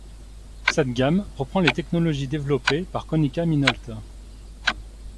Cette gamme reprend les technologies développées par Konica Minolta.